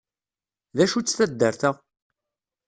D acu-tt taddart-a?